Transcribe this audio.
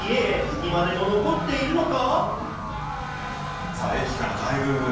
今でも残っているのか？